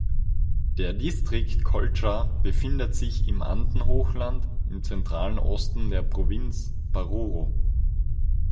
Der Distrikt Colcha befindet sich im Andenhochland im zentralen Osten der Provinz Paruro.